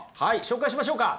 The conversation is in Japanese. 紹介しましょうか。